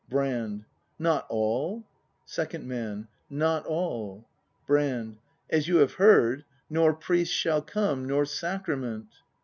Brand. Not all.? Second Man. Not all Brand. As you have heard: — Nor priest shall come, nor sacrament.